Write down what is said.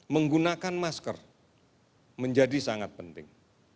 menggunakan masker menjadi sangat penting